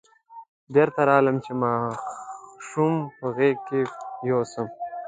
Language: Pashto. بېرته راغلم چې ماشوم په غېږ کې یوسم.